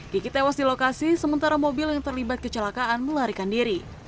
kiki tewas di lokasi sementara mobil yang terlibat kecelakaan melarikan diri